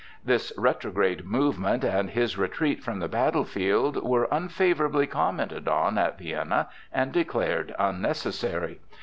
This retrograde movement and his retreat from the battle field were unfavorably commented on at Vienna and declared unnecessary.